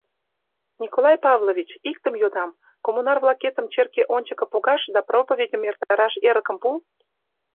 — Николай Павлович, иктым йодам: коммунар-влакетым черке ончыко погаш да проповедьым эртараш эрыкым пу.